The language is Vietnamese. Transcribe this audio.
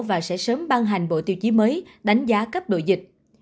và sẽ sớm ban hành bộ tiêu chí mới đánh giá cấp độ dịch